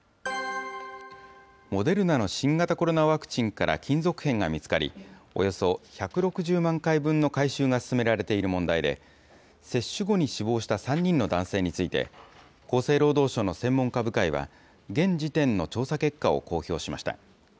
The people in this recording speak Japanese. モデルナの新型コロナワクチンから金属片が見つかり、およそ１６０万回分の回収が進められている問題で、接種後に死亡した３人の男性について、厚生労働省の専門家部会は、現時点の調査結果を公表しました。